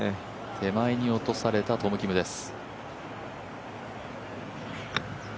手前に落とされたトム・キムです。